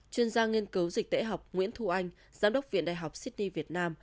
chuyên gia nghiên cứu dịch tễ học nguyễn thu anh giám đốc viện đại học sydney việt nam